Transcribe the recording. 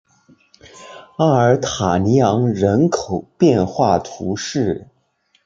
阿尔塔尼昂人口变化图示